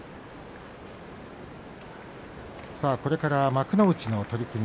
これから幕内の取組